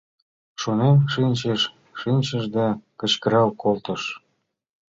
Шонен шинчыш-шинчыш да кычкырал колтыш: